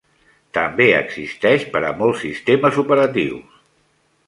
– també existeix per a molts sistemes operatius.